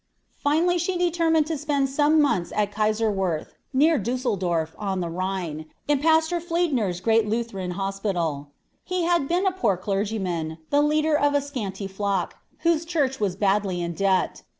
Finally she determined to spend some months at Kaiserwerth, near Dusseldorf, on the Rhine, in Pastor Fliedner's great Lutheran hospital. He had been a poor clergyman, the leader of a scanty flock, whose church was badly in debt.